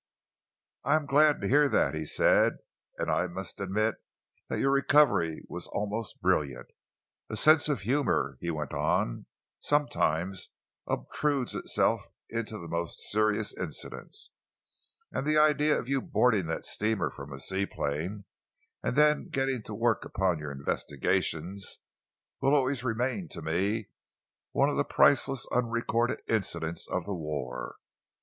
"I am glad to hear that," he said, "and I must admit that your recovery was almost brilliant. A sense of humour," he went on, "sometimes obtrudes itself into the most serious incidents, and the idea of your boarding that steamer from a seaplane and then getting to work upon your investigations will always remain to me one of the priceless unrecorded incidents of the war.